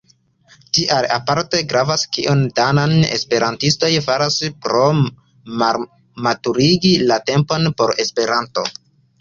Tial aparte gravas kion danaj esperantistoj faras por maturigi la tempon por Esperanto.